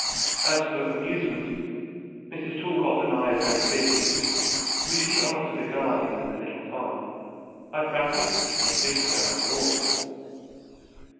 As for amusement, Mrs. Talcott and I are very busy; we see after the garden and the little farm; I practice and take Victor out for walks."